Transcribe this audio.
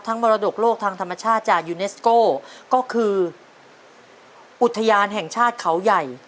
มรดกโลกทางธรรมชาติจากยูเนสโก้ก็คืออุทยานแห่งชาติเขาใหญ่